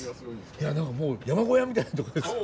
いや何かもう山小屋みたいなとこです。